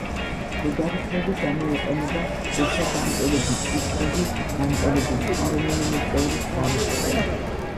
ლოგარითმები გამოიყენება, როცა განტოლების უცნობი განტოლების სხვა რომელიმე წევრის ხარისხია.